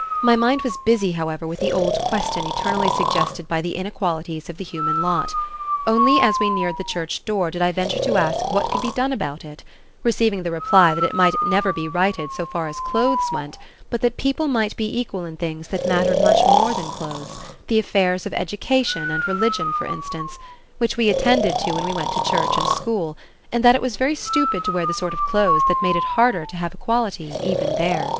My mind was busy, however, with the old question eternally suggested by the inequalities of the human lot. Only as we neared the church door did I venture to ask what could be done about it, receiving the reply that it might never be righted so far as clothes went, but that people might be equal in things that mattered much more than clothes, the affairs of education and religion, for instance, which we attended to when we went to school and church, and that it was very stupid to wear the sort of clothes that made it harder to have equality even there.